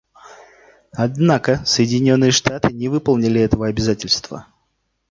Однако Соединенные Штаты не выполнили этого обязательства.